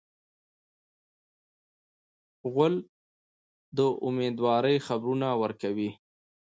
غول د امیندوارۍ خبرونه ورکوي.